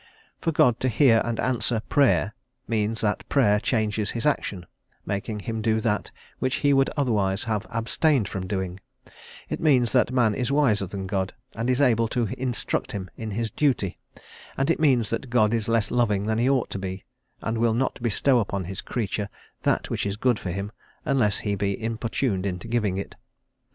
For God to hear and to answer Prayer means that Prayer changes his action, making him do that which he would otherwise have abstained from doing; it means that man is wiser than God, and is able to instruct him in his duty; and it means that God is less loving than he ought to be, and will not bestow upon his creature that which is good for him, unless he be importuned into giving it.